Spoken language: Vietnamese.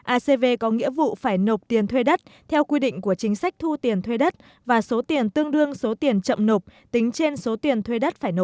acv có nghĩa vụ phải nộp tiền thuê đất theo quy định của chính sách thu tiền thuê đất và số tiền tương đương số tiền chậm nộp tính trên số tiền thuê đất phải nộp